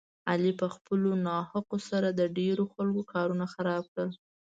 علي په خپلو ناحقو سره د ډېرو خلکو کارونه خراب کړل.